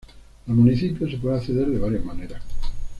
Al municipio se puede acceder de varias maneras.